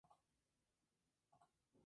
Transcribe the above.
Esta localidad no aparece en el nomenclátor.